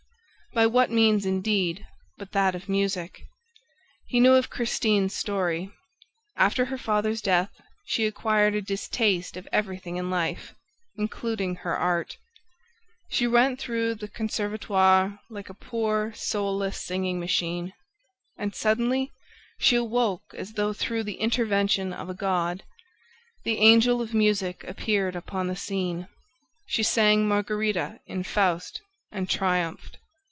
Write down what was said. ... By what means indeed but that of music? He knew Christine's story. After her father's death, she acquired a distaste of everything in life, including her art. She went through the CONSERVATOIRE like a poor soulless singing machine. And, suddenly, she awoke as though through the intervention of a god. The Angel of Music appeared upon the scene! She sang Margarita in FAUST and triumphed!